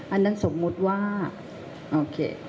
อันนั้นสมมุติว่าโอเค